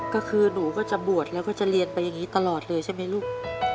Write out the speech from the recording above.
ก็คือหนูก็จะบวชแล้วก็จะเรียนไปอย่างนี้ตลอดเลยใช่ไหมลูก